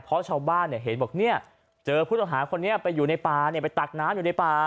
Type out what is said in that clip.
เพราะชาวบ้านเห็นบอกเนี่ยเจอผู้ต้องหาคนนี้ไปอยู่ในป่าไปตักน้ำอยู่ในป่า